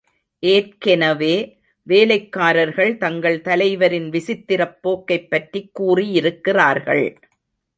ஏற்கெனவே, வேலைக்காரர்கள் தங்கள் தலைவரின் விசித்திரப் போக்கைப் பற்றிக் கூறியிருக்கிறார்கள்.